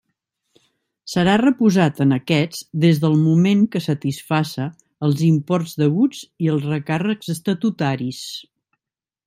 Serà reposat en aquests des del moment que satisfaça els imports deguts i els recàrrecs estatutaris.